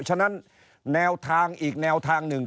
ฉะนั้นแนวทางอีกแนวทางหนึ่ง